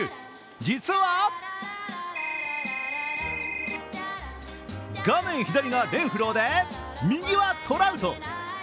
実は画面左がレンフローで右はトラウト。